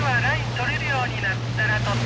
「取れるようになったら取る。